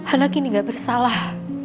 anak ini gak bersalah